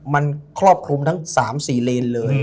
มันครอบครุมทั้งสามสี่เลนเลย